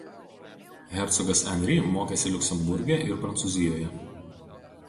Hercogas Anri mokėsi Liuksemburge ir Prancūzijoje.